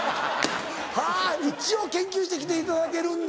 はぁ一応研究して来ていただけるんだ。